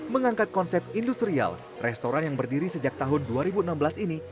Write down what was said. mengangkat konsep industrial restoran yang berdiri sejak tahun dua ribu enam belas ini